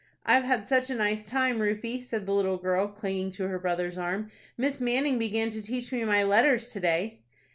"I've had such a nice time, Rufie," said the little girl, clinging to her brother's arm. "Miss Manning began to teach me my letters to day."